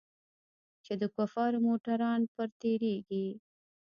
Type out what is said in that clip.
چې د کفارو موټران پر تېرېږي.